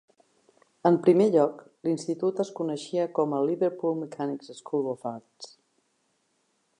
En primer lloc, l'institut es coneixia com a Liverpool Mechanics' School of Arts.